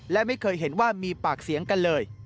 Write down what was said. และไม่เคยเห็นว่ามีปากเสียงกันเลย